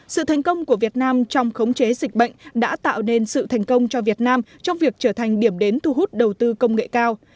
sự thành công của việt nam trong khống chế dịch bệnh đã tạo nên sự thành công cho việt nam trong việc trở thành điểm đến thu hút đầu tư công nghệ cao